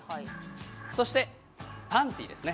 そしてパンティーですね。